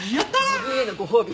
自分へのご褒美。